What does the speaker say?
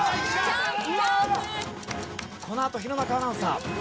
このあと弘中アナウンサー。